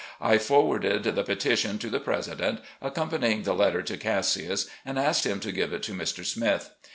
I forwarded the petition to the President, accompanying the latter, to Cassius, and asked him to give it to Mr. Smith.